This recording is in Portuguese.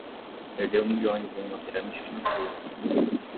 Perdeu milhões em uma pirâmide financeira